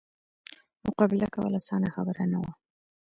مقابله کول اسانه خبره نه وه.